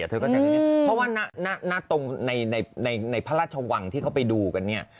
เพราะว่าหน้าตรงในพระราชวังที่เขาไปดูกันเนี่ย